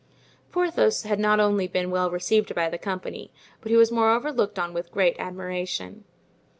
Porthos had not only been well received by the company, but he was moreover looked on with great admiration.